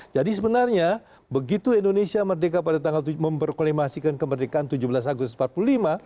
jadi sebenarnya begitu indonesia merdeka pada tanggal memperkolemasikan kemerdekaan tujuh belas agustus seribu sembilan ratus empat puluh lima